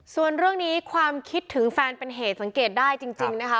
ส่วนเรื่องนี้ความคิดถึงแฟนเป็นเหตุสังเกตได้จริงนะคะ